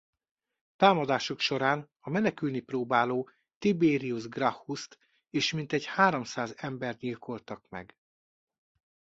Támadásuk során a menekülni próbáló Tiberius Gracchust és mintegy háromszáz embert gyilkoltak meg.